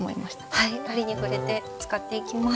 はい折に触れて使っていきます。